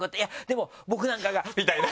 「でも僕なんかが」みたいな。